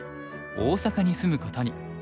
大阪に住むことに。